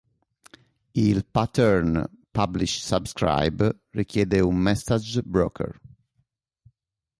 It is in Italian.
Il pattern publish-subscribe richiede un message broker.